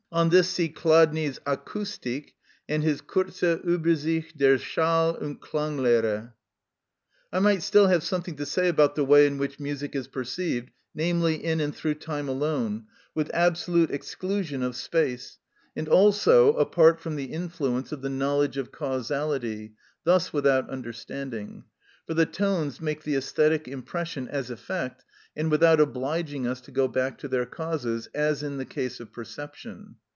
On this see Chladni's "Akustik," § 30, and his "Kurze Uebersicht der Schall und Klanglehre."(63) I might still have something to say about the way in which music is perceived, namely, in and through time alone, with absolute exclusion of space, and also apart from the influence of the knowledge of causality, thus without understanding; for the tones make the æsthetic impression as effect, and without obliging us to go back to their causes, as in the case of perception.